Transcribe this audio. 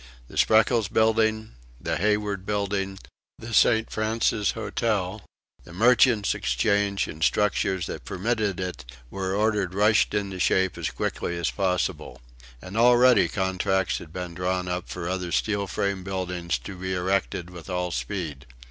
The Spreckels Building, the Hayward Building, the St. Francis Hotel, the Merchants' Exchange and structures that permitted it were ordered rushed into shape as quickly as possible. And already contracts had been drawn up for other steel frame buildings to be erected with all speed.